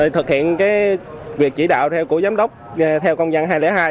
thực hiện việc chỉ đạo theo của giám đốc theo công dân hai trăm linh hai